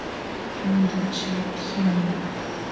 tanta chaa tiyan